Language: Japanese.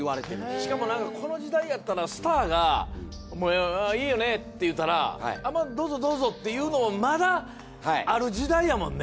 しかもなんかこの時代やったらスターがもういいよねって言うたらどうぞどうぞっていうのをまだある時代やもんね。